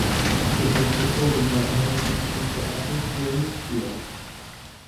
It was recorded by American country artist Wynn Stewart.